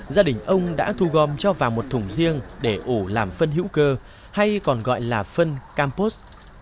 gia đình ông đã thu gom cho vào một thủng riêng để ổ làm phân hữu cơ hay còn gọi là phân campos